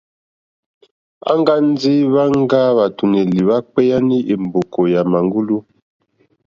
Aŋga ndi hwaŋga hwàtùnèlì hwa kpeyani è mbòkò yà màŋgulu.